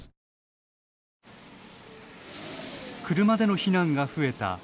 車での避難が増えた